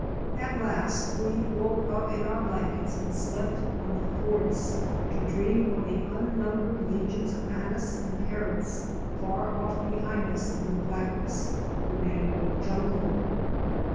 At last we rolled up in our blankets and slept on the thwarts, to dream of the unnumbered legions of Anis and Parrots far off behind us in the blackness of the mangrove jungle.